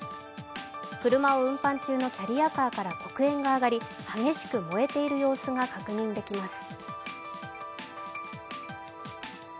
車を運搬中のキャリアカーから黒煙が上がり、激しく燃えている様子が確認できます。